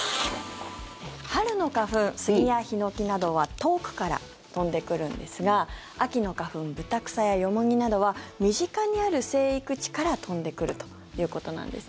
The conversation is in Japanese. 春の花粉、杉やヒノキなどは遠くから飛んでくるんですが秋の花粉ブタクサやヨモギなどは身近にある生育地から飛んでくるということなんです。